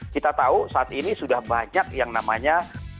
kita tahu saat ini sudah banyak yang namanya